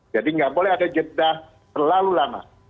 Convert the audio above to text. jadi nggak boleh ada jeddah terlalu lama